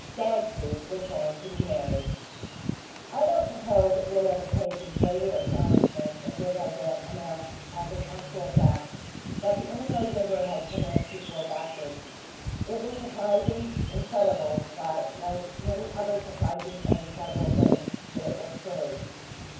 Gagtooth was going to be married! I don't suppose it would have occasioned greater astonishment if it had been announced as an actual fact that The Illinois river had commenced to flow backwards. It was surprising, incredible, but, like many other surprising and incredible things, it was true.